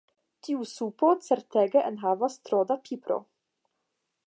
Tiu supo certege enhavas tro da pipro.